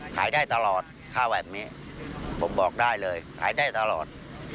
ขายได้ตลอดข้าวแบบนี้ผมบอกได้เลยขายได้ตลอด